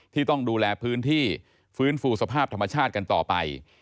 ที่ต้องดูแลพื้นที่ฟื้นฟูสภาพธรรมชาติกันต่อไป